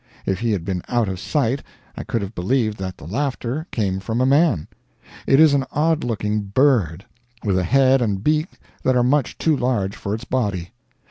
If he had been out of sight I could have believed that the laughter came from a man. It is an odd looking bird, with a head and beak that are much too large for its body.